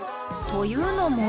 というのも？